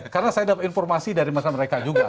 karena saya dapat informasi dari mereka mereka juga